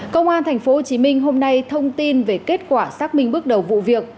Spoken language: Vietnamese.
công an thành phố hồ chí minh hôm nay thông tin về kết quả xác minh bước đầu vụ việc